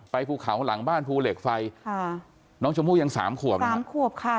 ภูเขาหลังบ้านภูเหล็กไฟค่ะน้องชมพู่ยังสามขวบนะสามขวบค่ะ